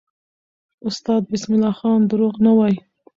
استاد بسم الله خان دروغ نه وایي.